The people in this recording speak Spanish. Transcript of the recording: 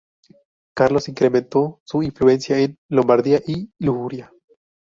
Carlos incrementó su influencia en Lombardía y Liguria.